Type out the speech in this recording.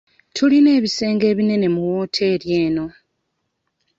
Tulina ebisenge ebinene mu wooteeri eno.